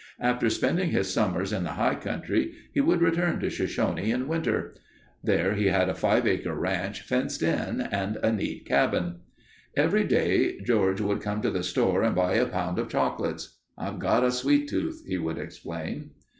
After spending his summers in the high country, he would return to Shoshone in winter. There he had a five acre ranch fenced in and a neat cabin. Every day George would come to the store and buy a pound of chocolates. "I've got a sweet tooth," he would explain.